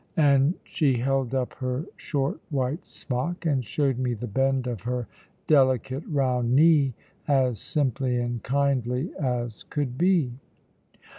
And she held up her short white smock, and showed me the bend of her delicate round knee as simply and kindly as could be.